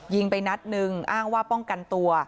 ยิงไปนัดหนึ่งอ้างว่าป้องกันตัว